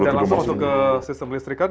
dan langsung masuk ke sistem listrik kan